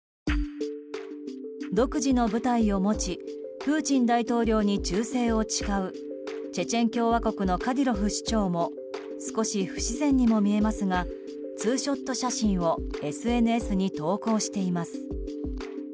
独自の部隊を持ちプーチン大統領に忠誠を誓うチェチェン共和国のカディロフ首長も少し不自然にも見えますがツーショット写真をＳＮＳに投稿しています。